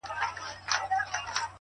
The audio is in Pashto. • په شپو شپو یې سره کړي وه مزلونه,